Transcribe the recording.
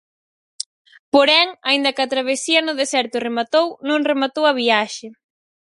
Porén, aínda que a travesía no deserto rematou, non rematou a viaxe.